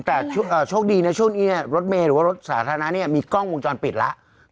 แต่โชคดีนะช่วงนี้รถเมหรือซาถานะี่มีกล้องมวงจรปิดแล้ว